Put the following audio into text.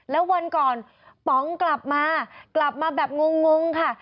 แล้ววันก่อนป๋องกลับมากลับมาแบบงงค่ะ